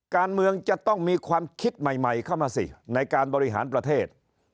การเมืองจะต้องมีความคิดใหม่เข้ามาสิในการบริหารประเทศ